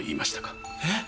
えっ？